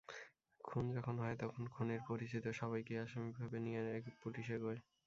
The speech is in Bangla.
খুন যখন হয়, তখন খুনীর পরিচিত সবাইকেই আসামী ভেবে নিয়ে পুলিশ এগোয়।